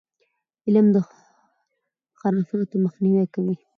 علم د خرافاتو مخنیوی کوي.